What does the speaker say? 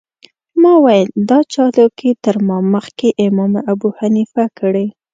ما ویل دا چالاکي تر ما مخکې امام ابوحنیفه کړې.